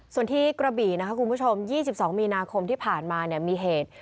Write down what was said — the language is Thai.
ส่วนที่กระบี่นะคะคุณผู้ชม๒๒มีนาคมที่ผ่านมาเนี่ยมีเหตุ